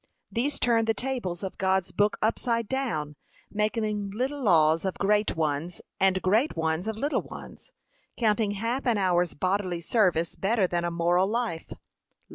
These turn the tables of God's book upside down; making little laws of great ones; and great ones of little ones; counting half an hour's bodily service better than a moral life.